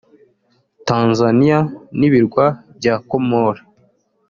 Tanzania n’Ibirwa bya Comores